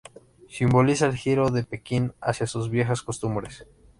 Simboliza el giro de Pekín hacia sus viejas costumbres.